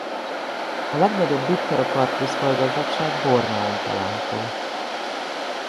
A legnagyobb dipterokarpusz-fajgazdagság Borneón található.